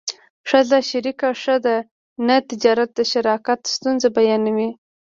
ښځه شریکه ښه ده نه تجارت د شراکت ستونزې بیانوي